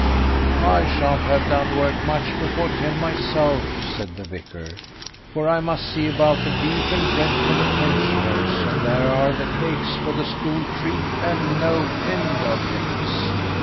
"I sha'n't have done work much before ten myself," said the vicar; "for I must see about the beef and bread for the pensioners, and there are the cakes for the school treat, and no end of things.